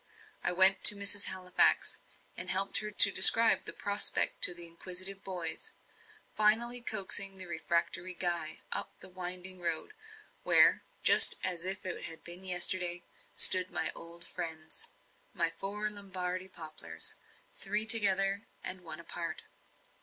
I went to Mrs. Halifax, and helped her to describe the prospect to the inquisitive boys; finally coaxing the refractory Guy up the winding road, where, just as if it had been yesterday, stood my old friends, my four Lombardy poplars, three together and one apart.